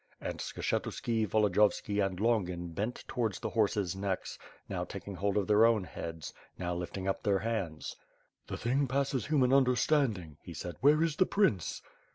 '^ And Skshetuski, Volodiyovski, and Longin bent towards the horses' necks, now taking hold of their own heads, now lifting up their hands. "The thing passes human understanding,' 'he said, "where is the prince?''